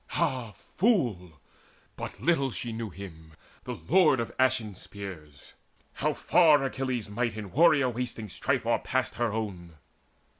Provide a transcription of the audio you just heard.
Ah fool! but little knew she him, the lord Of ashen spears, how far Achilles' might In warrior wasting strife o'erpassed her own!